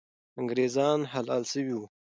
انګریزان حلال سوي وو.